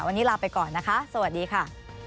วันนี้ลาไปก่อนนะคะสวัสดีค่ะ